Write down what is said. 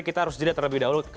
kita harus jeda terlebih dahulu